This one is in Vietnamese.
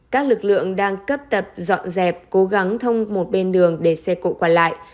các lực lượng đang cấp tập dọn dẹp cố gắng thông một bên đường để xe cộ qua lại